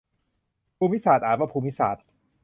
ภูมิศาสตร์ อ่านว่า พูมมิสาด